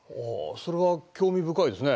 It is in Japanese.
それは興味深いですね。